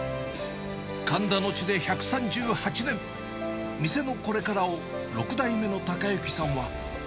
神田の地で１３８年、店のこれからを６代目の孝之さんは。